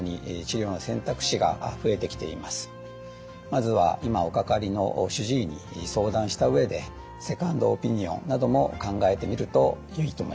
まずは今おかかりの主治医に相談した上でセカンドオピニオンなども考えてみるといいと思います。